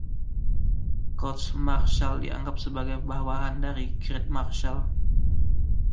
Court Marshall dianggap sebagai bawahan dari Great Marshall.